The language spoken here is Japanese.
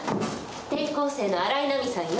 転校生の新井波さんよ。